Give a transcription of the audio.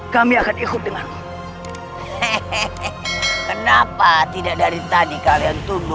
kau yang ngesenang dulu